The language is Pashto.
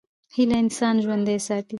هیله انسان ژوندی ساتي.